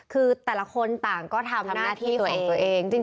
คือแต่ละคนต่างก็ทำหน้าที่ของตัวเอง